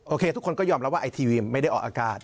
ทุกคนก็ยอมรับว่าไอทีวีไม่ได้ออกอากาศ